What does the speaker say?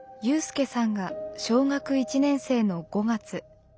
有さんが小学１年生の５月。